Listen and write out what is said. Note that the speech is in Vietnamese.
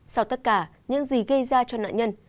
sau tất cả những gì gây ra cho nạn nhân